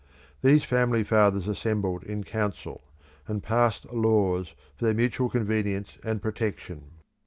These family fathers assembled in council, and passed laws for their mutual convenience and protection.